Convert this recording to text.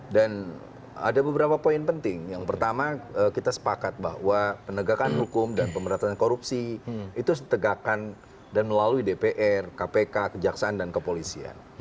dan ada beberapa poin penting yang pertama kita sepakat bahwa penegakan hukum dan pemberantasan korupsi itu setegakan dan melalui dpr kpk kejaksaan dan kepolisian